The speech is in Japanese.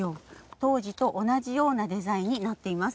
当時と同じようなデザインになっています。